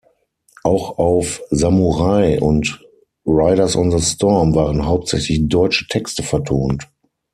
Auch auf "Samurai" und "Riders on the Storm" waren hauptsächlich deutsche Texte vertont.